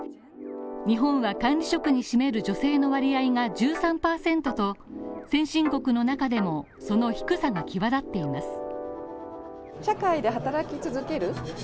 日本は管理職に占める女性の割合が１３％と先進国の中でも、その低さが際立っています。